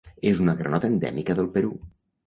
És una granota endèmica del Perú.